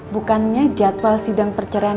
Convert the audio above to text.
bukannya jadwal sidang perceraian